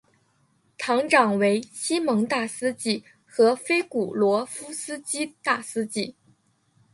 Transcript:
堂长为西蒙大司祭和菲古罗夫斯基大司祭。